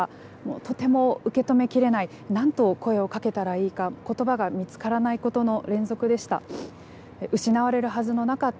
とても受け止めきれない何と声をかけたらいいか言葉が見つからないことの連続でした。